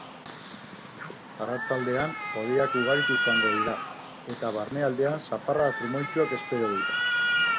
Arratsaldean hodeiak ugarituz joango dira, eta barnealdean zaparrada trumoitsuak espero dira.